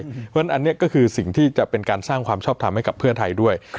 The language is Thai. เพราะฉะนั้นอันนี้ก็คือสิ่งที่จะเป็นการสร้างความชอบทำให้กับเพื่อไทยด้วย